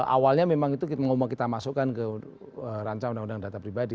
awalnya memang itu kita masukkan ke rancang undang undang data pribadi